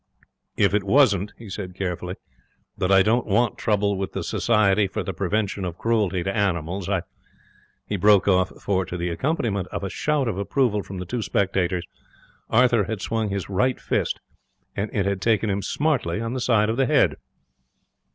'If it wasn't,' he said, carefully, 'that I don't want trouble with the Society for the Prevention of Cruelty to Animals, I'd ' He broke off, for, to the accompaniment of a shout of approval from the two spectators, Arthur had swung his right fist, and it had taken him smartly on the side of the head.